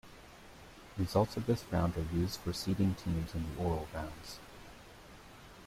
Results of this round are used for seeding teams in the oral rounds.